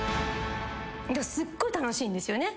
すっごい楽しいんですよね？